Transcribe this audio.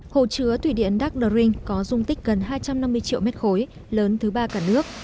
hồ chứa thủy điện đắc đờ rinh có dung tích gần hai trăm năm mươi triệu m ba lớn thứ ba cả nước